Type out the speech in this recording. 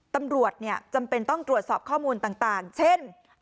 ตำรวจจำเป็นต้องตรวจสอบข้อมูลต่างเช่น